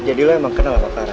jadi lo emang kenal sama clara